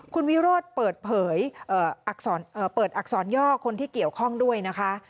คุณวิโรธเปิดเผยเปิดอักษรย่อคนที่เกี่ยวข้องด้วยนะคะ